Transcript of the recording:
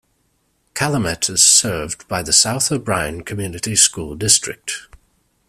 Calumet is served by the South O'Brien Community School District.